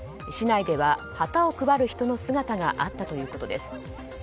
市内では旗を配る人の姿があったということです。